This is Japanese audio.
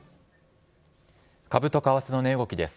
株と為替の値動きです。